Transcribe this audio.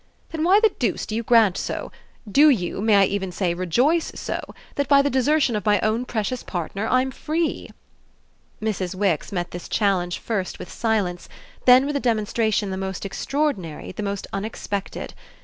"Then why the deuce do you grant so do you, I may even say, rejoice so that by the desertion of my own precious partner I'm free?" Mrs. Wix met this challenge first with silence, then with a demonstration the most extraordinary, the most unexpected.